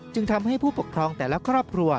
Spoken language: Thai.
จึงทำให้ผู้ปกครองแต่ละครอบครัว